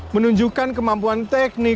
menunjukkan kemampuan teknik